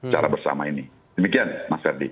para bersama ini demikian mas ferdie